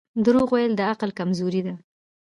• دروغ ویل د عقل کمزوري ده.